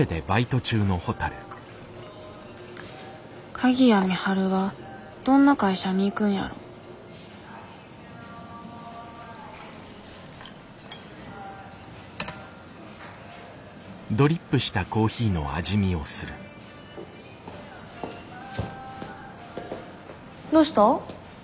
鍵谷美晴はどんな会社に行くんやろどうした？